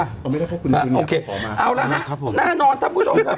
อ๋อไม่ได้ควรคุณมีคุณนี้โอเคเอาละนะครับผมแน่นอนทำคุณผู้ชม